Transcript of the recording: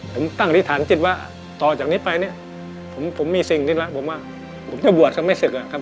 ผมตั้งที่ฐานจิตว่าต่อจากนี้ไปผมมีซิ่งที่จะปวดไม่สุดครับผม